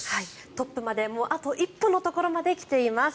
トップまであと一歩のところまで来ています。